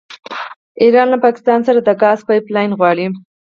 ایران له پاکستان سره د ګاز پایپ لاین غواړي.